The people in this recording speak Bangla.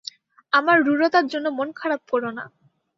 আমার রূঢ়তার জন্য মন খারাপ কর না।